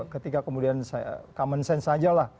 ketika kemudian common sense sajalah